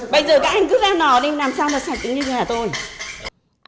bây giờ các anh cứ ra nò đi làm sao mà sạch như nhà tôi